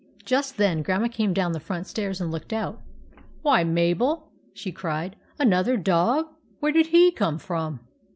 Just then Grandma came down the front stairs and looked out. "Why, Mabel!" she cried. " Another dog ? Where did he come from